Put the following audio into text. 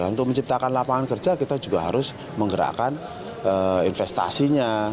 untuk menciptakan lapangan kerja kita juga harus menggerakkan investasinya